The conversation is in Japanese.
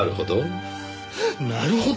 なるほど。